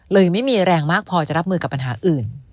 เลยไม่มีแรงมากพอจะรับมือกับปัญหาอื่น